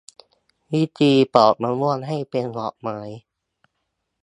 วิธีปอกมะม่วงให้เป็นดอกไม้